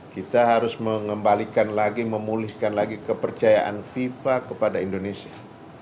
kita harus mengembalikan lagi memulihkan lagi kepercayaan fifa kepada indonesia